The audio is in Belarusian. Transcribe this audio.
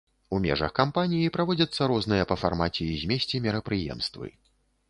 У межах кампаніі праводзяцца розныя па фармаце і змесце мерапрыемствы.